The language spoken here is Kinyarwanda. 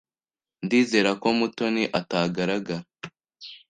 Ndizera ko Mutoni atagaragara.